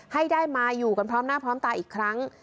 ให้ได้มาอยู่กันพร้อมหน้าพร้อมตาอีกครั้ง